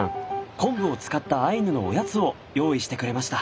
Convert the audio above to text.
昆布を使ったアイヌのおやつを用意してくれました。